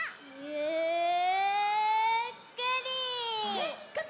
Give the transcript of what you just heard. えっ？